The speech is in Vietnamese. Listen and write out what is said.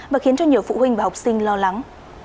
và khiến cho nhiều phụ huynh và học sinh lo lắng